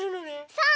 そう！